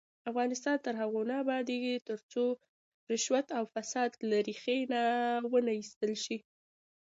افغانستان تر هغو نه ابادیږي، ترڅو رشوت او فساد له ریښې ونه ایستل شي.